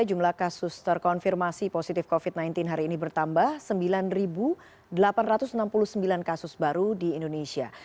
jumlah kasus terkonfirmasi positif covid sembilan belas hari ini bertambah sembilan delapan ratus enam puluh sembilan kasus baru di indonesia